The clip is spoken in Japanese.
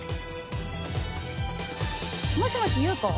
もしもし夕子？